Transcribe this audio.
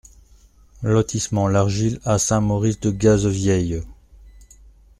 Lotissement l'Argile à Saint-Maurice-de-Cazevieille